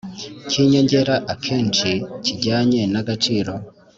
Cy inyongera akenshi kijyanye n agaciro